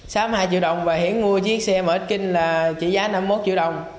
xám hai triệu đồng và hiển mua chiếc xe mở kinh là trị giá năm mươi một triệu đồng